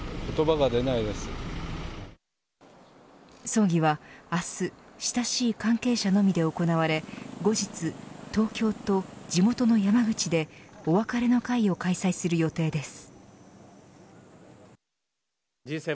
葬儀は明日親しい関係者のみで行われ後日、東京と地元の山口でお別れの会を開催する予定です。